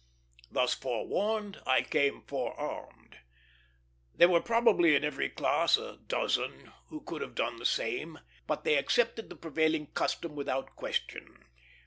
Thus forewarned, I came forearmed. There were probably in every class a dozen who could have done the same, but they accepted the prevailing custom without question.